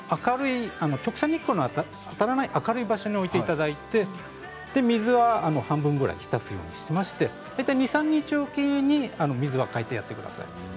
直射日光の当たらない明るい場所に置いていただいて水は半分ぐらい浸すようにして大体２、３日置きぐらいに水は替えてください。